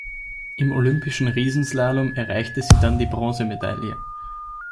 Im olympischen Riesenslalom erreichte sie dann die Bronzemedaille.